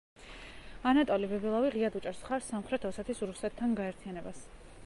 ანატოლი ბიბილოვი ღიად უჭერს მხარს სამხრეთ ოსეთის რუსეთთან გაერთიანებას.